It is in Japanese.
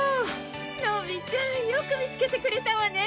のびちゃんよく見つけてくれたわね。